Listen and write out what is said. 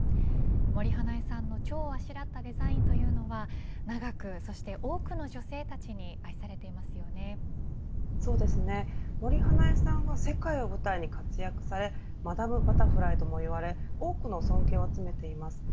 森英恵さんの蝶をあしらったデザインというのは長くそして多くの女性たちに森英恵さんは世界を舞台に活躍されマダム・バタフライともいわれ多くの尊敬を集めています。